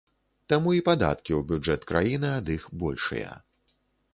Таму і падаткі ў бюджэт краіны ад іх большыя.